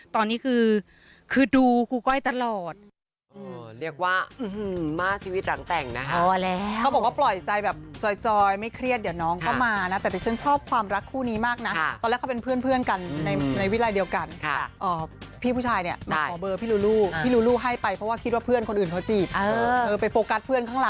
ตอนนี้คือดูครูก้อยตลอด